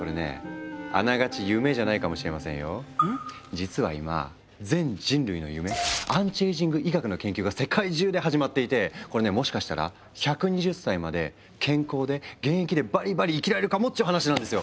実は今全人類の夢アンチエイジング医学の研究が世界中で始まっていてこれねもしかしたら１２０歳まで健康で現役でバリバリ生きられるかもっていう話なんですよ。